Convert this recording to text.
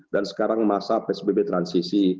dan sekarang masa psbb transisi